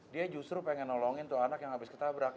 dia justru pengen nolongin anak yang habis ditabrak